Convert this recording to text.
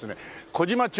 小島町